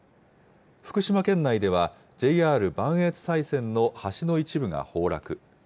福島県内では、ＪＲ磐越西線の橋の一部が崩落。